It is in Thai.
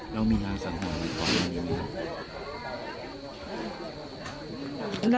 แล้วมีรักสังหวะหรือปลอดภัยไม่มีครับ